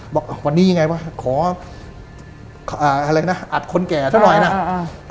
บอกวันนี้ไงว่าขอ